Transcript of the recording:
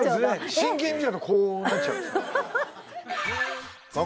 真剣に見ちゃうとこうなっちゃう